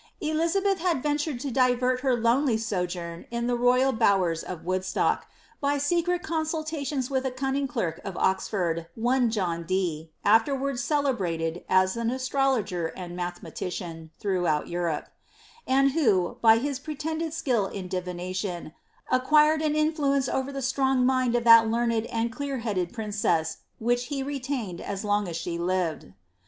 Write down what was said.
EUizabeth had ventured to divert her lonely sojourn in the royal bowers of Woodstock, by secret con sultations with a cunning clerk of Oxford, one John Dee (afterwards celebrated, as an astrologer and mathematician, throughout Euro()e), and who, by his pretended skill in divination, acquired an influence over the strong mind of that learned and clear headed princess, which he retained as long as she lived.'